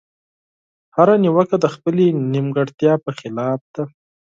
هره نيوکه د خپلې نيمګړتيا په خلاف ده.